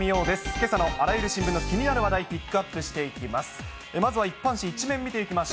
けさのあらゆる新聞の気になる話題、ピックアップしていきます。